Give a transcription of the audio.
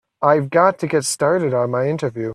I've got to get started on my interview.